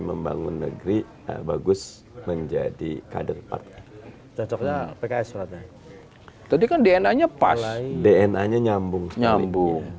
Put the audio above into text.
membangun negeri bagus menjadi kader partai cocoknya pks tadi kan dna nya pas dna nyambung nyambung